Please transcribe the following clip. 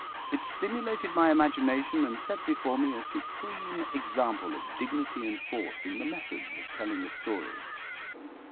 It stimulated my imagination and set before me a supreme example of dignity and force in the methods of telling a story.